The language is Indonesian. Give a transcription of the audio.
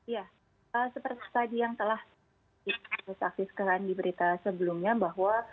ya seperti tadi yang telah kita saksikan di berita sebelumnya bahwa